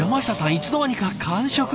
いつの間にか完食！？